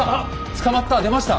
「捕まった」出ました。